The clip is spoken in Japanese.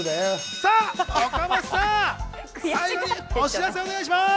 岡本さん、最後にお知らせお願いします。